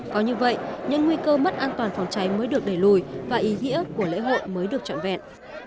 có như vậy những nguy cơ mất an toàn phòng cháy mới được đẩy lùi và ý nghĩa của lễ hội mới được trọn vẹn